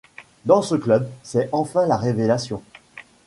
Dans ce club, c'est enfin la révélation.